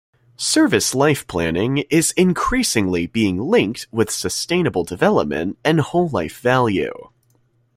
Service life planning is increasingly being linked with sustainable development and wholelife value.